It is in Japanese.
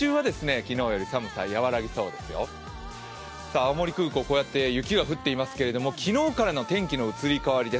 青森空港、雪が降っていますけれども、昨日からの天気の移り変わりです。